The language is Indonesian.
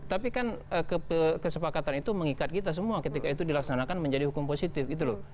tapi kan kesepakatan itu mengikat kita semua ketika itu dilaksanakan menjadi hukum positif gitu loh